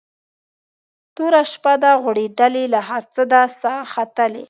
توره شپه ده غوړېدلې له هر څه ده ساه ختلې